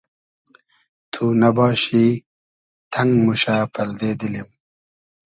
تو نئباشی تئنگ موشۂ پئلدې دیلیم